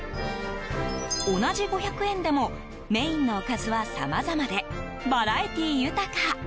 同じ５００円でもメインのおかずはさまざまでバラエティー豊か。